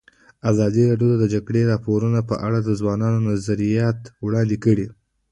ازادي راډیو د د جګړې راپورونه په اړه د ځوانانو نظریات وړاندې کړي.